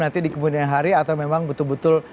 nanti di kemudian hari atau memang betul betul